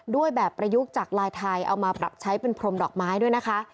ด้วยแบบประยุกต์จากลายไทยเอามาปรับใช้เป็นพรมดอกไม้ด้วยนะคะ